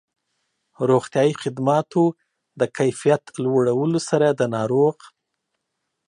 روغتیایي خدماتو د کيفيت لوړولو سره د ناروغ